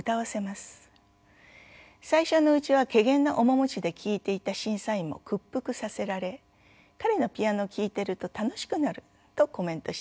最初のうちはけげんな面持ちで聴いていた審査員も屈服させられ「彼のピアノを聴いていると楽しくなる」とコメントしています。